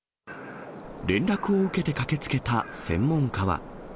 連絡を受けて駆けつけた専門家は。